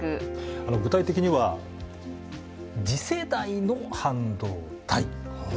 具体的には次世代の半導体。